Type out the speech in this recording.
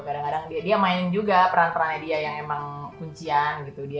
kadang kadang dia main juga peran perannya dia yang emang kuncian gitu dia